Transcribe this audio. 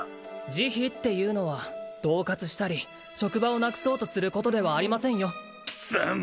慈悲っていうのはどう喝したり職場をなくそうとすることではありませんよ貴様！